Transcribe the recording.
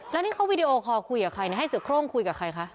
แล้วนี่เขาวีดีโอคอลคุยกับใครให้เสือโครงคุยกับใครคะ